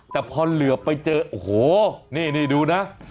แต่พอเหลือไปเจอโอ้โหนี่ดูนะ